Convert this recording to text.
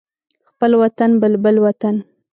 خپل وطن بلبل وطن